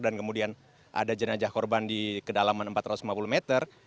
dan kemudian ada jenajah korban di kedalaman empat ratus lima puluh meter